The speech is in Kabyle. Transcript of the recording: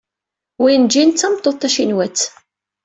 Wenjin d tameṭṭut tacinwat.